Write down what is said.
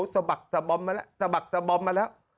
สะบักสะบอมสะบักสะบอมมาแล้ว